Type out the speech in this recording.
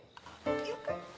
よかった。